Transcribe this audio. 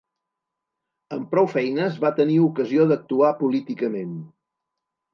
Amb prou feines, va tenir ocasió d'actuar políticament.